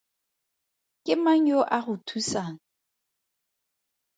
Ke mang yo a go thusang?